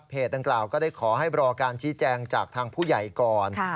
ดังกล่าวก็ได้ขอให้รอการชี้แจงจากทางผู้ใหญ่ก่อน